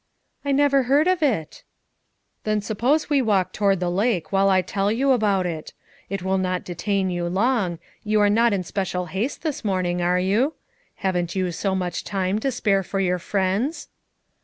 "I never heard of it." "Then suppose we walk toward the lake while I tell you about it? It will not detain you long; you are not in special haste this morning, are you? Haven't you so much time to spare for your friends?"